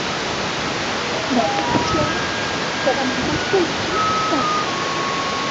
বর্তমান চেয়ারম্যান- জনাব মোফাজ্জল হোসেন সাগর